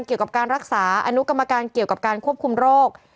เกี่ยวกับการรักษาอนุกรรมการเกี่ยวกับการควบคุมโรค